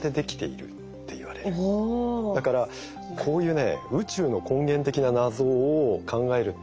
だからこういうね